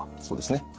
そうですね。